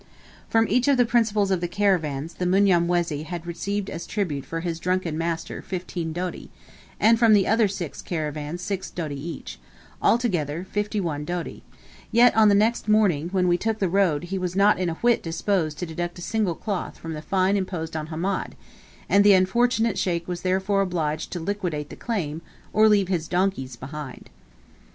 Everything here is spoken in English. From each of the principals of the caravans, the Mnyamwezi had received as tribute for his drunken master fifteen doti, and from the other six caravans six doti each, altogether fifty one doti, yet on the next morning when we took the road he was not a whit disposed to deduct a single cloth from the fine imposed on Hamed, and the unfortunate Sheikh was therefore obliged to liquidate the claim, or leave his donkeys behind.